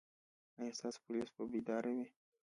ایا ستاسو پولیس به بیدار وي؟